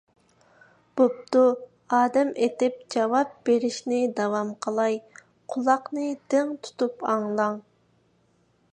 بوپتۇ ئادەم ئېتىپ جاۋاب بېرىشنى داۋام قىلاي. قۇلاقنى دىڭ تۇتۇپ ئاڭلاڭ: